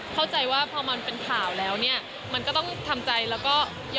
เพราะว่าจริงแล้วตอนมุลเป็นข่าว